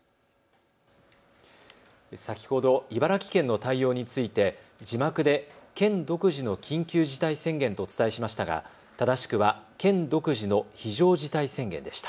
先ほど茨城県の対応について字幕で県独自の緊急事態宣言とお伝えしましたが正しくは県独自の非常事態宣言でした。